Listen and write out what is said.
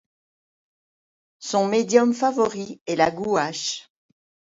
Son medium favori est la gouache.